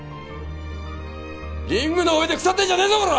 リングの上で腐ってんじゃねえぞコラ！